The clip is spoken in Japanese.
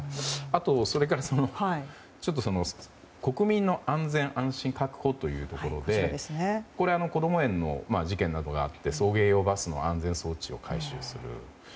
あと、それから国民の安全・安心の確保というところでこれは子供園の事件などがあって送迎用バスの安全装置を改修する。